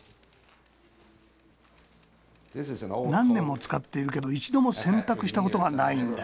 何年も使っているけど一度も洗濯したことがないんだ。